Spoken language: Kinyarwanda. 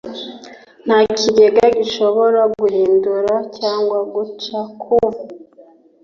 Nta Kigega Gishobora Guhindura Cyangwa Guca Ku